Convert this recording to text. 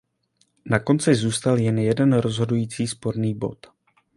Na konci zůstal jen jeden rozhodující sporný bod.